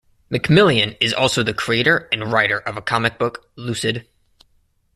McMillian is also the creator and writer of a comic book, "Lucid".